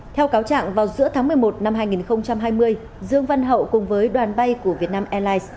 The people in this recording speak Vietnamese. theo cáo trạng vào giữa tháng một mươi một năm hai nghìn hai mươi dương văn hậu cùng với đoàn bay của vietnam airlines